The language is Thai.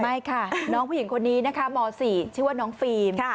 ไม่ค่ะน้องผู้หญิงคนนี้นะคะม๔ชื่อว่าน้องฟิล์ม